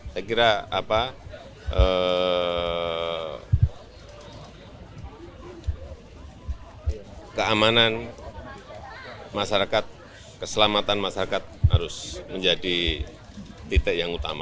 saya kira keamanan masyarakat keselamatan masyarakat harus menjadi titik yang utama